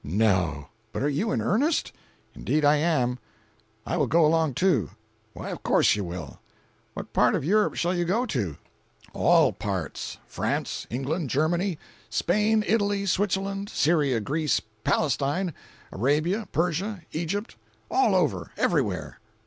"No—but are you in earnest?" "Indeed I am." "I will go along too." "Why of course you will." "What part of Europe shall you go to?" "All parts. France, England, Germany—Spain, Italy, Switzerland, Syria, Greece, Palestine, Arabia, Persia, Egypt—all over—everywhere."